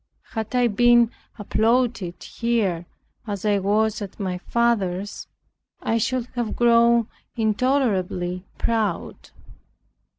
Had I been applauded here as I was at my father's, I should have grown intolerably proud.